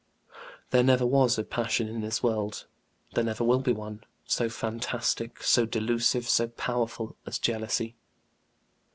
There never was a passion in this world there never will be one so fantastic, so delusive, so powerful as jealousy.